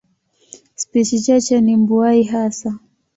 Spishi chache ni mbuai hasa.